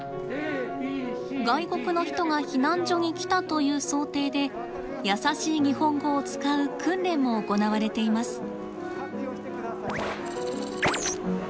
外国の人が避難所に来たという想定で「やさしい日本語」を使う訓練も行われています。